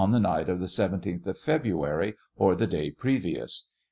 the night of the 17th of February, or the day previous